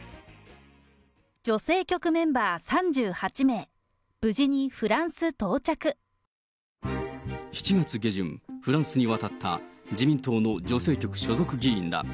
女性局メンバー３８名、７月下旬、フランスに渡った自民党の女性局所属議員ら。